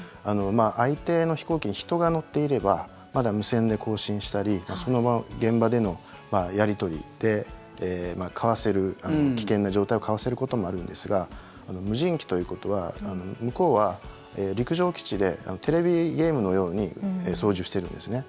相手の飛行機に人が乗っていればまだ無線で交信したりその現場でのやり取りで危険な状態をかわせることもあるんですが無人機ということは向こうは陸上基地でテレビゲームのように操縦してるんですね。